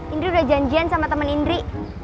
indri udah janjian sama teman indri